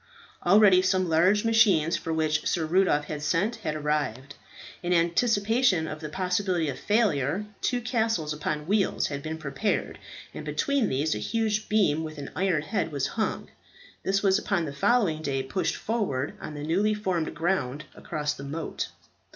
Already some large machines for which Sir Rudolph had sent had arrived. In anticipation of the possibility of failure, two castles upon wheels had been prepared, and between these a huge beam with an iron head was hung. This was upon the following day pushed forward on the newly formed ground across the moat.